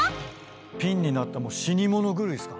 ピンになって死に物狂いですか？